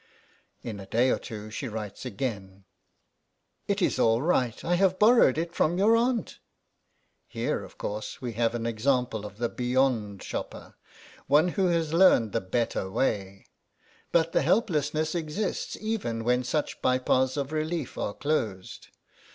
In a day or two she writes again :" It is all right ; I have borrowed it from your aunt." Here, of course, we have an example of the Beyond Shopper, one who has learned the Better Way, but the helplessness exists even when such bypaths of relief are closed.